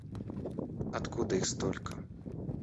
Откуда их столько?